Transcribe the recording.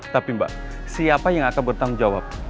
tapi mbak siapa yang akan bertanggung jawab